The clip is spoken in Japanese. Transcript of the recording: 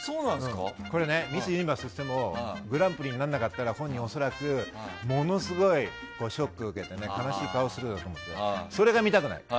ミス・ユニバースいってもグランプリにならなかったら本人、恐らくものすごくショックを受けて悲しい顔をすると思ってそれが見たくない。